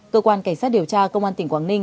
cơ quan cảnh sát điều tra công an tỉnh quảng ninh